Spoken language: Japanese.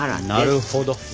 なるほど。